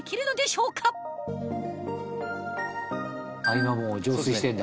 今もう浄水してるんだ。